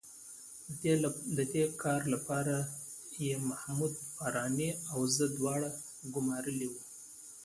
د دې کار لپاره یې محمود فاراني او زه دواړه ګومارلي وو.